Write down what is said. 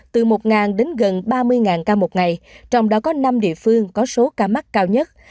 từ một đến gần ba mươi ca một ngày trong đó có năm địa phương có số ca mắc cao nhất